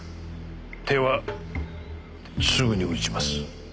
手はすぐに打ちます。